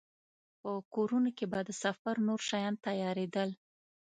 په کورونو کې به د سفر نور شیان تيارېدل.